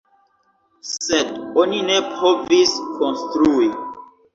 Sed oni ne povis konstrui.